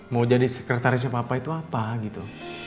mau jadi sekretaris apa apa itu apa gitu